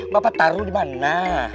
bapak taruh di mana